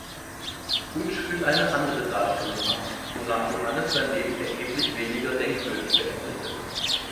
Budge führt eine andere Darstellung an, wonach Johannes sein Leben erheblich weniger denkwürdig beendete.